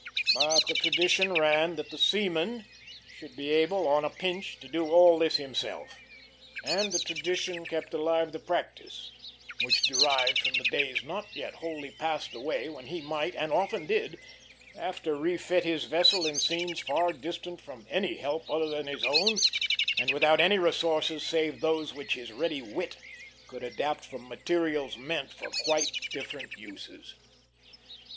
but the tradition ran that the seaman should be able on a pinch to do all this himself, and the tradition kept alive the practice, which derived from the days not yet wholly passed away when he might, and often did, have to refit his vessel in scenes far distant from any help other than his own, and without any resources save those which his ready wit could adapt from materials meant for quite different uses.